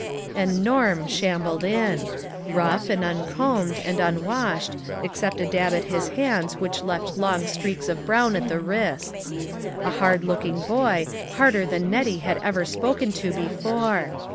And " Norm " shambled in. Rough, and un combed, and unwashed, except a dab at his hands which left long streaks of brown at the wrists. A hard looking boy, harder than Nettie had ever spoken to before.